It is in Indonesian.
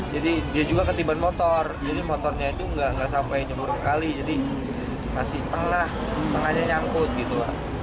jadi dia juga ketiban motor jadi motornya itu nggak sampai jumlah kali jadi masih setengah setengahnya nyangkut gitu